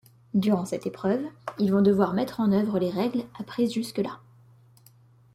Durant cette épreuve, ils vont devoir mettre en œuvre les règles apprises jusque-là.